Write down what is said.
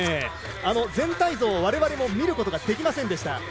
全体像を我々も見ることはできませんでした。